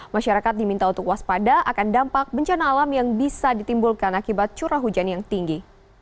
masyarakat diminta untuk waspada akan dampak bencana alam yang bisa ditimbulkan akibat curah hujan yang tinggi